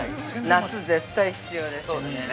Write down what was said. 夏、絶対必要ですよね。